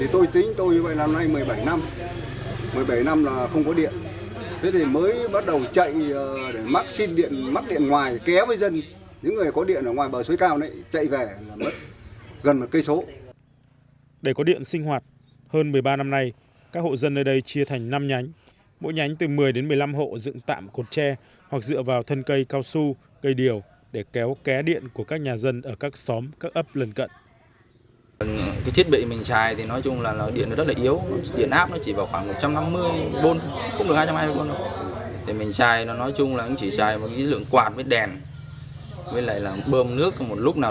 tôi vào đây hai nghìn một và có những hộ còn sớm hơn nữa thì tôi tính tôi như vậy năm nay một mươi bảy năm một mươi bảy năm là không có điện thế thì mới bắt đầu chạy để mắc xin điện mắc điện ngoài kéo với dân những người có điện ở ngoài bờ suối cao này chạy về là mất gần một cây số